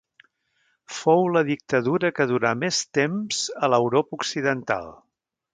Fou la dictadura que durà més temps a l'Europa Occidental.